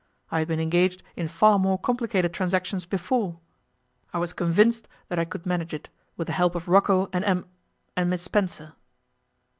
I had been engaged in far more complicated transactions before. I was convinced that I could manage it, with the help of Rocco and Em and Miss Spencer.